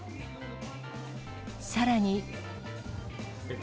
さらに。